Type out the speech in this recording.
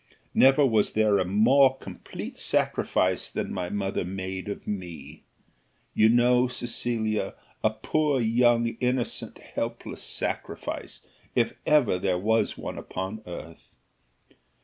Never was there a more complete sacrifice than my mother made of me; you know, Cecilia, a poor, young, innocent, helpless sacrifice, if ever there was one upon earth."